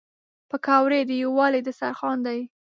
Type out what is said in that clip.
پکورې د یووالي دسترخوان دي